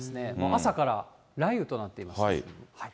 朝から雷雨となっています。